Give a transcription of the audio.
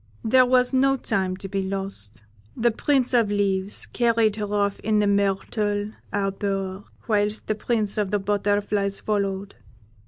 There was no time to be lost the Prince of Leaves carried her off in the myrtle arbour, whilst the Prince of the Butterflies followed.